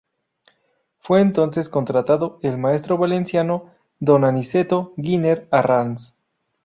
Fue entonces contratado el maestro valenciano Don Aniceto Giner Arranz.